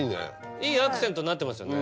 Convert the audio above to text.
いいアクセントになってますよね。